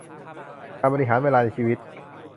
การบริหารเวลาในชีวิต